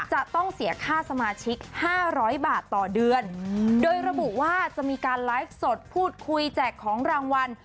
จะต้องเสียค่าสมาชิก๕๐๐บาทต่อเดือนโดยระบุว่าจะมีการไลฟ์สดพูดคุยแจกของรางวัล